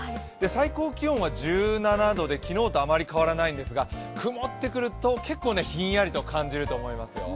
最高気温が１７度で昨日とあまり変わらないんですが曇ってくると結構ひんやりと感じると思いますよ。